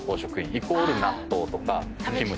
イコール納豆とかキムチとか。